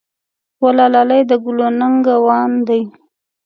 وه لالی د ګلو نګه وان دی.